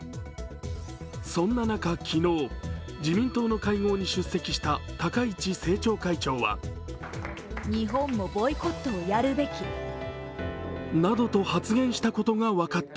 そんな中、昨日、自民党の会合に出席した高市政調会長はなどと発言したことが分かった。